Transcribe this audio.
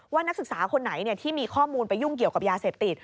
นักศึกษาคนไหนที่มีข้อมูลไปยุ่งเกี่ยวกับยาเสพติด